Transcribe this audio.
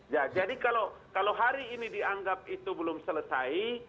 ya jadi kalau hari ini dianggap itu belum selesai